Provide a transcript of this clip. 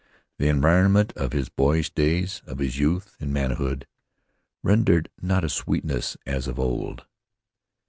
The environment of his boyish days, of his youth, and manhood, rendered not a sweetness as of old.